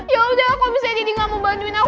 ya udah kalo misalnya deddy gak mau bantuin aku